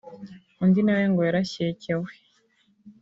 Undi nawe ngo yarashyekewe